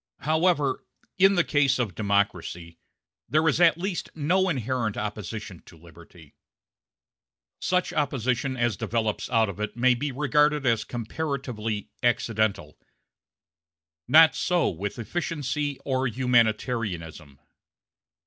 However, in the case of democracy, there is at least no inherent opposition to liberty; such opposition as develops out of it may be regarded as comparatively accidental. Not so with efficiency or humanitarianism.